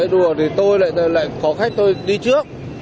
đùa thì tôi lại có khách tôi đi trước